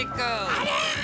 ありゃ！